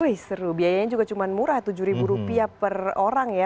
wih seru biayanya juga cuma murah tujuh ribu rupiah per orang ya